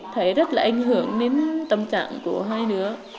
thấy rất là ảnh hưởng đến tâm trạng của hai nữa